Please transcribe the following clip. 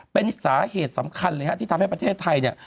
เป็นสาเหตุสำคัญเลยฮะที่ทำให้ประเทศไทยเนี่ย